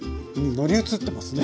乗り移ってますかね。